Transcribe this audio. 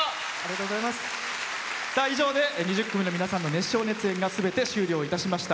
以上で２０組の皆さんの熱唱・熱演がすべて終了いたしました。